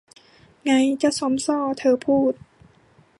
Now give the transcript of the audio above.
ไง เจ้าซอมซ่อ เธอพูด